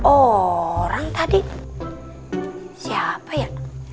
orang tadi siapa ya